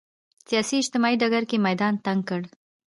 سیاسي اجتماعي ډګر کې میدان تنګ کړ